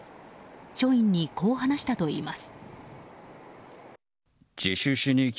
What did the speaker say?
署員にこう話したといいます。